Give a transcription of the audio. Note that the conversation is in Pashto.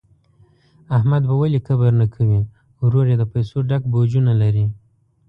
احمد به ولي کبر نه کوي، ورور یې د پیسو ډک بوجونه لري.